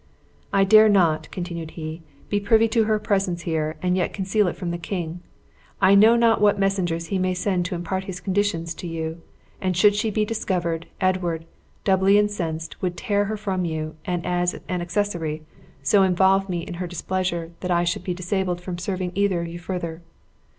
"I dare not," continued he, "be privy to her presence here, and yet conceal it from the king. I know not what messengers he may send to impart his conditions to you; and should she be discovered, Edward, doubly incensed, would tear her from you; and, as an accessory, so involve me in his displeasure, that I should be disabled from serving either of you further.